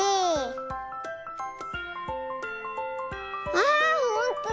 あほんとだ！